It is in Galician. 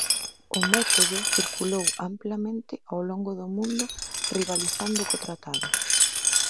O Método circulou amplamente ao longo do mundo rivalizando co Tratado.